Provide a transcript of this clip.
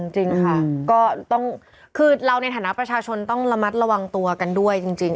จริงค่ะก็คือเราในฐานะประชาชนต้องระมัดระวังตัวกันด้วยจริง